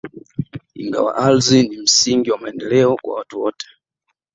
Ingawa ardhi ni msingi wa maendeleo kwa watu wote